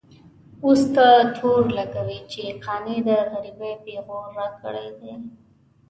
اوس ته تور لګوې چې قانع د غريبۍ پېغور راکړی دی.